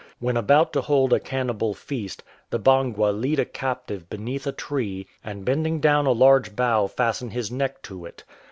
When about to hold a cannibal feast, the Bangwa lead a captive beneath a tree, and bending down a large bough fasten his neck to it.